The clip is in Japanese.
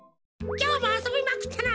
きょうもあそびまくったな。